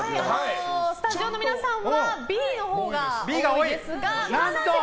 スタジオの皆さんはＢのほうが多いです。